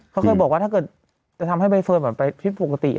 เขาเคยบอกว่าถ้าเกิดจะทำให้ใบเฟิร์นไปชีวิตปกติ